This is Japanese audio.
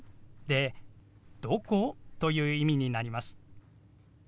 で「どこ？」という意味になります。